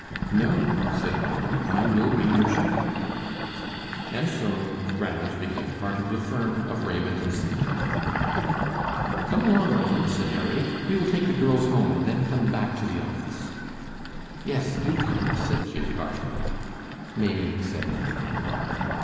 "No," said Ranald; "I will be your checker." And so Ranald became part of the firm of Raymond & St. Clair. "Come along, Ranald," said Harry. "We will take the girls home, and then come back to the office." "Yes, do come," said Kate, heartily. Maimie said nothing.